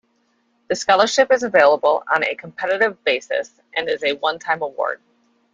The scholarship is available on a competitive basis and is a onetime award.